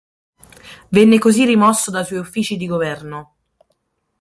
Venne così rimosso dai suoi uffici di governo.